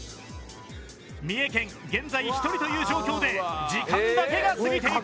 三重県現在１人という状況で時間だけが過ぎていく。